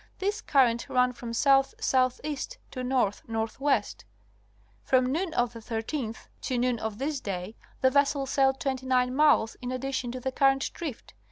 This current ran from south southeast to north northwest. From noon of the 13th to noon of this day the vessel sailed 29 miles in addition to the current drift.